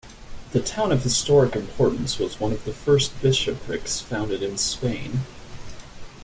The town of historic importance was one of the first bishoprics founded in Spain.